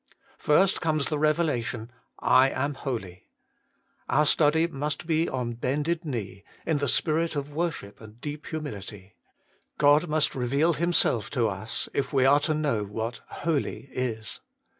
First comes the revelation, ' I am holy.' Our study must be on bended knee, in the spirit of worship and deep humility. God must reveal Himself to us, if we are to know what Holy is.